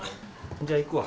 じゃあ行くわ。